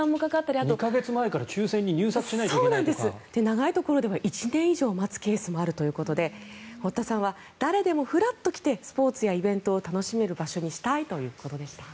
長いところでは１年以上待つケースもあるということで堀田さんは誰でもふらっと来てスポーツやイベントを楽しめる場所にしたいということでした。